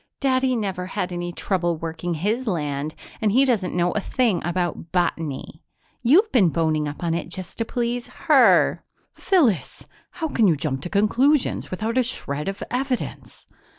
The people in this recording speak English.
"Daddy never had any trouble working his land and he doesn't know a thing about botany. You've been boning up on it just to please her!" "Phyllis! How can you jump to conclusions without a shred of evidence?"